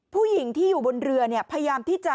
ผู้หญิงที่อยู่บนเรือเนี่ยพยายามที่จะ